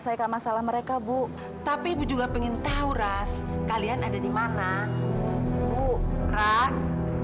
selamat siang pak aris